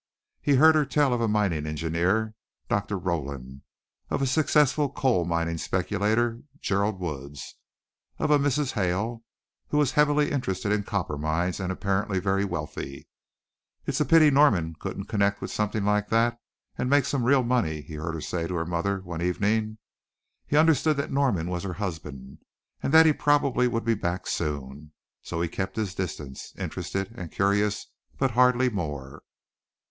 He heard her tell of a mining engineer, Dr. Rowland; of a successful coal mining speculator, Gerald Woods; of a Mrs. Hale who was heavily interested in copper mines and apparently very wealthy. "It's a pity Norman couldn't connect with something like that and make some real money," he heard her say to her mother one evening. He understood that Norman was her husband and that he probably would be back soon. So he kept his distance interested and curious but hardly more.